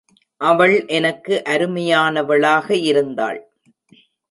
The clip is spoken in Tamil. அவள் எனக்கு அருமையானவளாக இருந்தாள்.